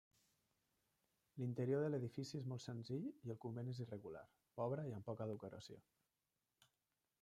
L'interior de l'edifici és molt senzill i el convent és irregular, pobre, amb poca decoració.